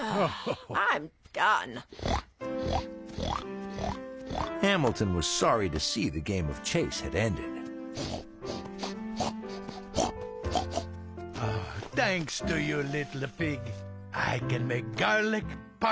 ハハッ。